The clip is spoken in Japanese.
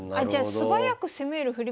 素早く攻める振り